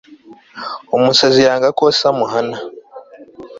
umusazi yanga ko se amuhana